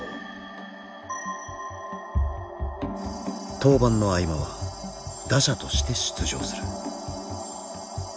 登板の合間は打者として出場する。